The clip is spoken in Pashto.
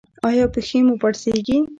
ایا پښې مو پړسیږي؟